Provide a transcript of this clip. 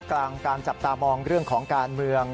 กลางการจับตามองเรื่องของการเมือง